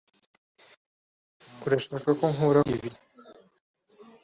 urashaka ko nkuraho ibi